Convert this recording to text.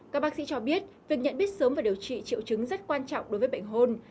các bác sĩ cho biết việc nhận biết sớm và điều trị triệu chứng rất quan trọng đối với bệnh hôn